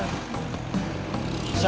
lagi ngurusin seminar